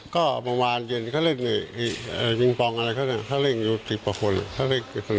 ก็มะวานเย็นเขาเล่นเงยเอ่อยิงปองอะไรเขาเล่นเขาเล่นอยู่สิบประควรเขาเล่นสนุกไป